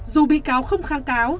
dù bị cáo không kháng cáo